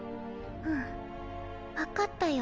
うん分かったよ